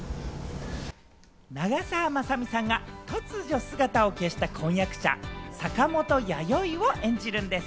長澤まさみさんが、突如姿を消した婚約者・坂本弥生を演じるんです。